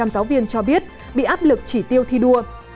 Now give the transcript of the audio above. sáu mươi năm bốn mươi ba giáo viên cho biết bị áp lực chỉ tiêu thi đua